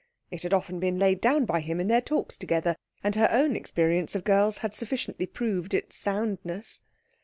It had often been laid down by him in their talks together, and her own experience of girls had sufficiently proved its soundness.